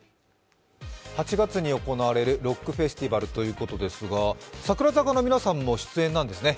８月に行われるロックフェスということですが、櫻坂の皆さんも出演なんですね？